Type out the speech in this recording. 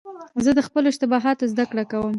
زه له خپلو اشتباهاتو زدهکړه کوم.